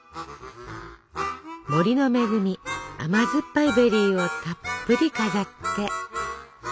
森の恵み甘酸っぱいベリーをたっぷり飾って。